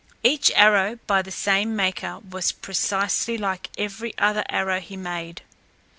Each arrow by the same maker was precisely like every other arrow he made.